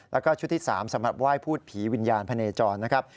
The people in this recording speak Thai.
แล้วก็ชุดที่๓สำหรับไหว้พูดผีวิญญาณพะเนจรนะครับ